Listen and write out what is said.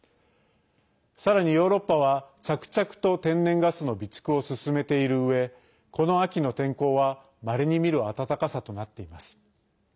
さらに、ヨーロッパは着々と天然ガスの備蓄を進めているうえこの秋の天候はまれに見る暖かさとなっています。